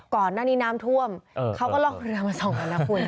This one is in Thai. ก่อนหน้านี้น้ำท่วมเขาก็ลอกเรือมาส่องกันนะคุณ